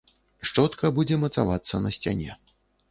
Шчотка будзе мацавацца на сцяне.